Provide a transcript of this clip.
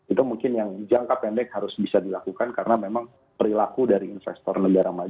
itu mungkin yang jangka pendek harus bisa dilakukan karena memang perilaku dari investor negara maju